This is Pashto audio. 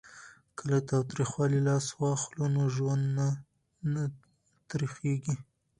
که له تاوتریخوالي لاس واخلو نو ژوند نه تریخیږي.